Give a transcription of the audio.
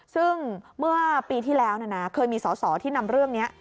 ซึ่งเมื่อปีที่แล้วนะเคยมีสอสอที่นำเรื่องนี้